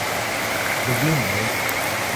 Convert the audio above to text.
Dobil me je!